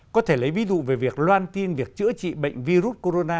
có thể lấy ví dụ về việc loan tin việc chữa trị bệnh virus corona